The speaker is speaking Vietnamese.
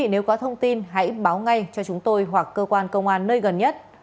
nếu có thông tin hãy báo ngay cho chúng tôi hoặc cơ quan công an nơi gần nhất